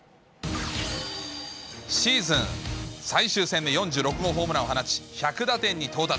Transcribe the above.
シーズン最終戦に４６号ホームランを放ち、１００打点に到達。